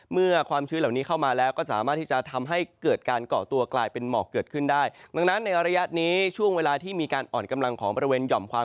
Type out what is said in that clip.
เมื่อความชื้นเหล่านี้เข้ามาแล้ว